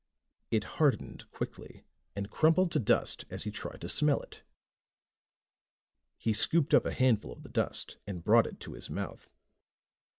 It hardened quickly and crumpled to dust as he tried to smell it. He scooped up a handful of the dust and brought it to his mouth.